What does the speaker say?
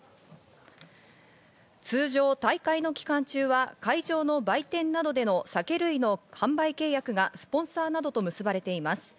通常、大会の期間中は会場の売店などでの酒類の販売契約がスポンサーなどと結ばれています。